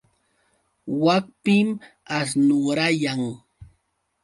Wakpim asnurayan.